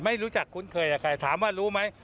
ไม่รู้จักคุ้นเคยกับใครถามว่ารู้ไหม